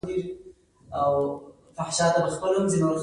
رسنیو او د مطبوعاتو کارکوونکو هم ناسته مهمه نه بلله